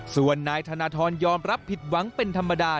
ส่วนนายธนทรยอมรับผิดหวังเป็นธรรมดา